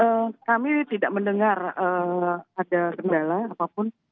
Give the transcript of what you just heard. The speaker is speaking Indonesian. ya kami tidak mendengar ada kendala apapun